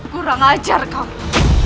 kurang ajar kamu